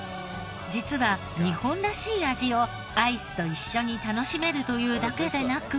実は日本らしい味をアイスと一緒に楽しめるというだけでなく。